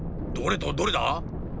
どれとどれだ？